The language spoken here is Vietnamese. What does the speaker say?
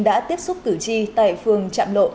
đã tiếp xúc cử tri tại phường trạm lộ